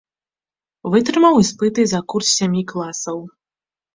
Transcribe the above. Вытрымаў іспыты за курс сямі класаў.